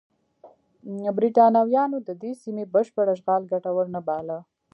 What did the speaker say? برېټانویانو د دې سیمې بشپړ اشغال ګټور نه باله.